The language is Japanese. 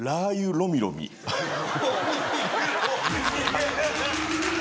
ロミロミね。